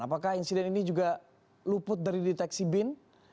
apakah insiden ini juga luput dari deteksi bin